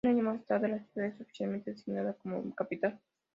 Un año más tarde, la ciudad es oficialmente designada como Capital.